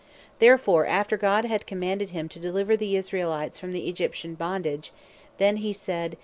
Therefore after God had commanded him to deliver the Israelites from the Egyptian bondage, when he said (Exod 4.